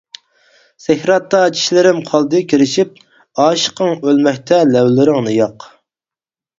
سەكراتتا چىشلىرىم قالدى كىرىشىپ، ئاشىقىڭ ئۆلمەكتە لەۋلىرىڭنى ياق!